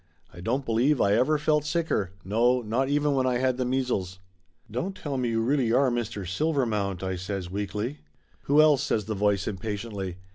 I don't believe I ever felt sicker; no, not even when I had the measles. "Don't tell me you really are Mr. Silvermount?" I says weakly. "Who else?" says the voice impatiently.